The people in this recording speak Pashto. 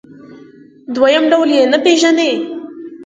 دویم ډول یې نه پېژني.